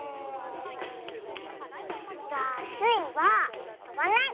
じゃあスイはとばない！